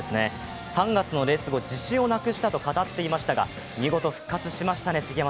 ３月のレース後、自信をなくしたと語っていましたが見事、復活しましたね。